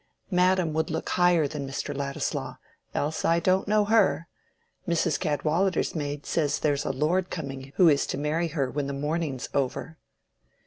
Madam would look higher than Mr. Ladislaw, else I don't know her. Mrs. Cadwallader's maid says there's a lord coming who is to marry her when the mourning's over."